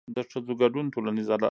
د ښځو ګډون ټولنیز عدالت ته وده ورکوي.